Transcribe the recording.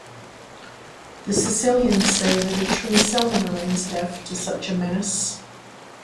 The Sicilians say that a tree seldom remains deaf to such a menace.